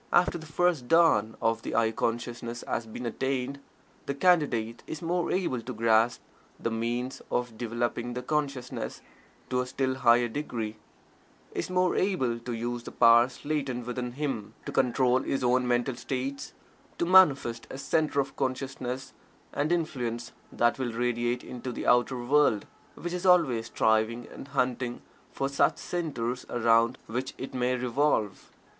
After the first dawn of the "I" consciousness has been attained, the Candidate is more able to grasp the means of developing the consciousness to a still higher degree is more able to use the powers latent within him; to control his own mental states; to manifest a Centre of Consciousness and Influence that will radiate into the outer world which is always striving and hunting for such centres around which it may revolve.